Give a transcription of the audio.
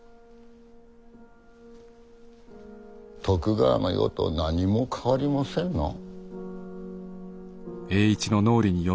徳川の世と何も変わりませぬな。